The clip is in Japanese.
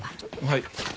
はい。